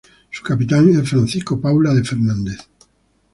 Su capitán era Francisco Paula de Fernández.